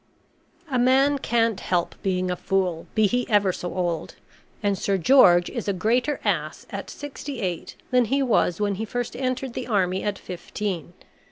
A man can't help being a fool, be he ever so old, and Sir George is a greater ass at sixty eight than he was when he first entered the army at fifteen.